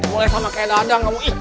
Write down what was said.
mulai sama kayak dadang kamu